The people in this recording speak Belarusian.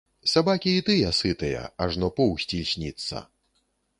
Сабакі і тыя сытыя, ажно поўсць ільсніцца.